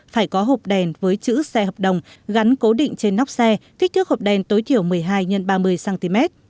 phải có hộp đèn với chữ xe hợp đồng gắn cố định trên nóc xe kích thước hộp đen tối thiểu một mươi hai x ba mươi cm